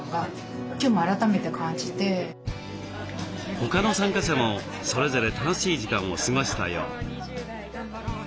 他の参加者もそれぞれ楽しい時間を過ごしたよう。